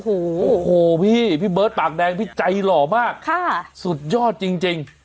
โอ้โหพี่พี่เบิร์ตปากแดงพี่ใจหล่อมากสุดยอดจริง